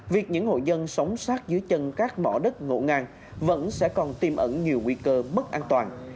việc những hộ dân sống sát dưới chân các mỏ đất ngộ ngang vẫn sẽ còn tiêm ẩn nhiều nguy cơ mất an toàn